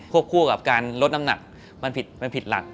คู่กับการลดน้ำหนักมันผิดหลัก